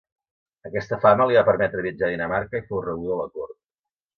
Aquesta fama li va permetre viatjar a Dinamarca i fou rebuda a la cort.